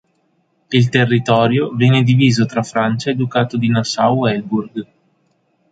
Il territorio venne diviso tra Francia e Ducato di Nassau-Weilburg.